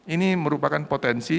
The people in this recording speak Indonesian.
ini merupakan potensi